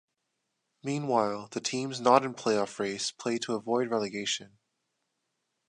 Meanwhile, the teams not in playoff race play to avoid relegation.